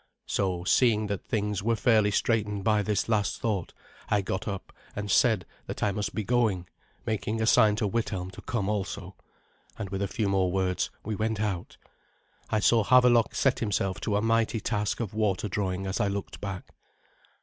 So, seeing that things were fairly straightened by this last thought, I got up and said that I must be going, making a sign to Withelm to come also; and, with a few more words, we went out. I saw Havelok set himself to a mighty task of water drawing as I looked back.